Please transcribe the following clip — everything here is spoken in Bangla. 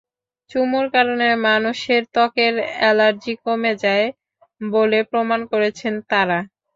চুমুর কারণে মানুষের ত্বকের অ্যালার্জি কমে যায় বলে প্রমাণ করেছেন তাঁরা।